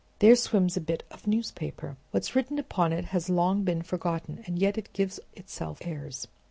There swims a bit of newspaper. What's written upon it has long been forgotten, and yet it gives itself airs.